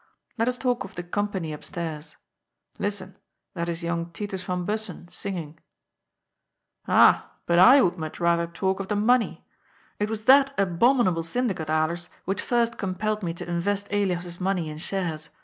Let us talk of the company upstairs. Listen, that is young Titus van Bussen singing !"" Ah, but I would much rather talk of the money. It was that abominable syndicate, Alers, which first compelled me to invest Elias's money in shares.